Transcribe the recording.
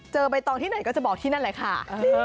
เจอไปตรงที่ไหนก็จะบอกที่นั่นเลยค่ะ